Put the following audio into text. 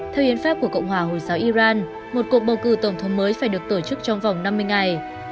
theo hiến pháp của cộng hòa hồi giáo iran một cuộc bầu cử tổng thống mới phải được tổ chức trong vòng năm mươi ngày